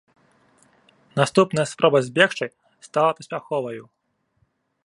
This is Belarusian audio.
Наступная спроба збегчы стала паспяховаю.